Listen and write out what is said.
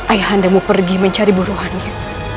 ayahandamu pergi mencari buruhannya